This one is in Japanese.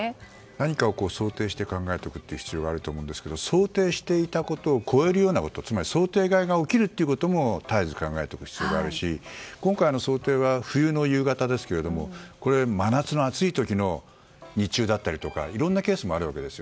何かを想定して考えておく必要はあると思いますが想定していたことを超えるようなことつまり想定外が起きることも絶えず考えておく必要があるし今回の想定は、冬の夕方ですが真夏の暑い時の日中だったりとかいろんなケースがあるわけです。